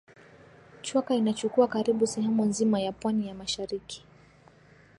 Chwaka inachukua karibu sehemu nzima ya pwani ya mashariki